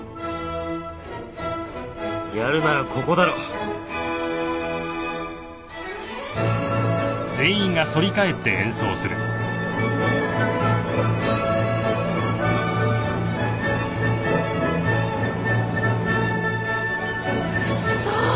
やるならここだろ！嘘！？